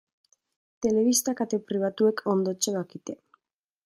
Telebista kate pribatuek ondotxo dakite.